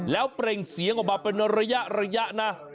แล้วเปล่งเสียงออกมาเป็นระยะนะ